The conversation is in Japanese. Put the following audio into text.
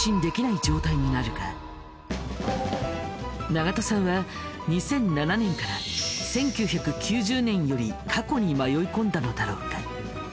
長門さんは２００７年から１９９０年より過去に迷い込んだのだろうか。